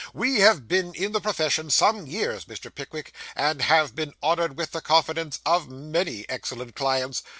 We have been in the profession some years, Mr. Pickwick, and have been honoured with the confidence of many excellent clients.